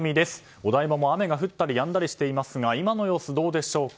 お台場も雨が降ったりやんだりしていますが今の様子、どうでしょうか。